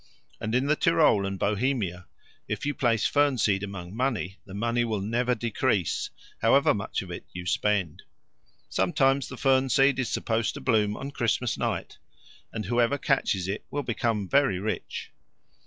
And in the Tryol and Bohemia if you place fern seed among money, the money will never decrease, however much of it you spend. Sometimes the fern seed is supposed to bloom on Christmas night, and whoever catches it will become very rich.